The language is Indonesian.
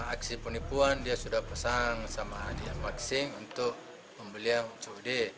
aksi penipuan dia sudah pesan sama hadiah maksimum untuk membeli yang cod